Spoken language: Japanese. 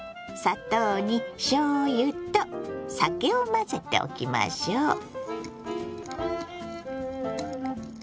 砂糖にしょうゆと酒を混ぜておきましょう。